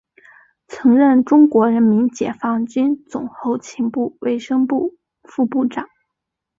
曾任中国人民解放军总后勤部卫生部副部长。